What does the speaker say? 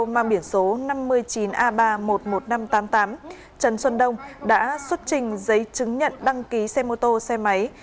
mang biển số năm mươi chín a ba một mươi một nghìn năm trăm tám mươi tám trần xuân đông đã xuất trình giấy chứng nhận đăng ký xe mô tô xe máy